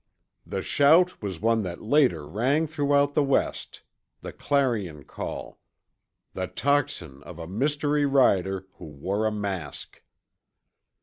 The shout was one that later rang throughout the West the clarion call the tocsin of a mystery rider who wore a mask.